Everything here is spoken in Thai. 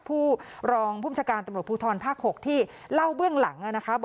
ผู้รองพุทธการตำรวจพูทรภาค๖ที่เล่าเบื้องหลังนะคะ